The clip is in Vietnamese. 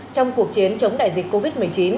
trong cuộc chiến chống đại dịch covid một mươi chín